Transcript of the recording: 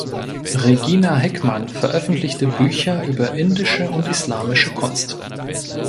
Regina Hickmann veröffentlichte Bücher über indische und islamische Kunst.